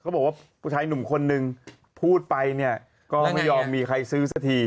บอกว่าผู้ชายหนุ่มคนนึงพูดไปเนี่ยก็ไม่ยอมมีใครซื้อสักที